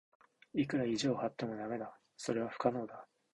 いくら意地を張っても駄目だ。それは不可能だ。